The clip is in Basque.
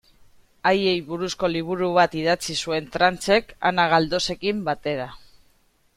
Haiei buruzko liburu bat idatzi zuen Tranchek, Ana Galdosekin batera.